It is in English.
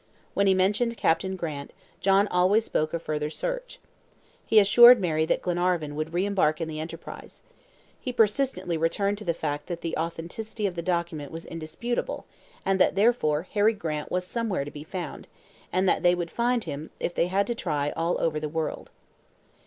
When he mentioned Captain Grant, John always spoke of further search. He assured Mary that Lord Glenarvan would re embark in the enterprise. He persistently returned to the fact that the authenticity of the document was indisputable, and that therefore Harry Grant was somewhere to be found, and that they would find him, if they had to try all over the world.